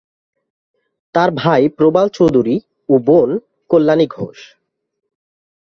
তার ভাই প্রবাল চৌধুরী ও বোন কল্যাণী ঘোষ।